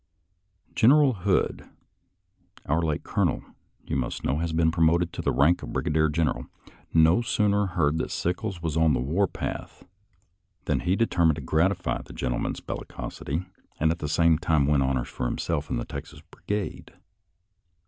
General Hood — our late colonel, you must know, has been promoted to the rank of briga dier general — no sooner heard that Sickles was on the war path, than he determined to gratify the gentleman's bellicosity, and at the same time win honors for himself and the Texas Brigade.